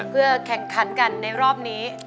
เพื่อแข่งขันกันในรอบนี้